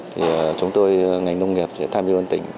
thì chúng tôi ngành nông nghiệp sẽ tham dự văn tỉnh